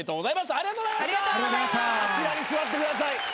あちらに座ってください。